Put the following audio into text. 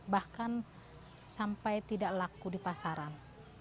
bahkan sampai tidak laku di pasaran